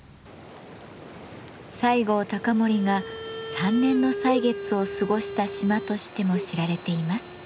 西郷隆盛が３年の歳月を過ごした島としても知られています。